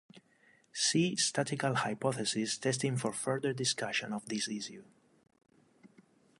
See statistical hypothesis testing for further discussion of this issue.